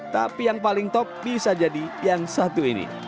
tapi yang paling top bisa jadi yang satu ini